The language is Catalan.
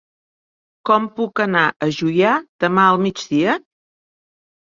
Com puc anar a Juià demà al migdia?